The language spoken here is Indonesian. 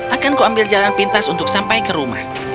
akan kuambil jalan pintas untuk sampai ke rumah